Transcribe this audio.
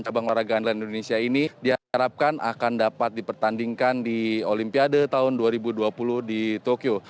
cabang olahraga andalan indonesia ini diharapkan akan dapat dipertandingkan di olimpiade tahun dua ribu dua puluh di tokyo